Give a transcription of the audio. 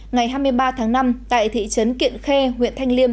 ngày hai mươi ba tháng năm tại thị trấn kiện khê huyện thanh liêm